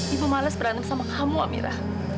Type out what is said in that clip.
ibu males beranak sama kamu amira